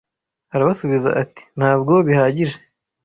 Arabasubiza ati Ntabwo bihagije